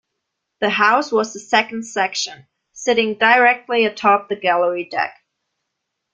The house was the second section, sitting directly atop the gallery deck.